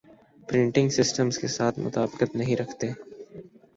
پریٹنگ systems کے ساتھ مطابقت نہیں رکھتے